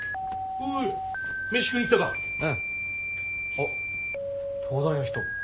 あっ東大の人。